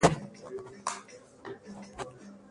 غږ په خبرو کې اورېدل کېږي.